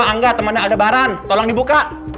ini gue angga temennya ada baran tolong dibuka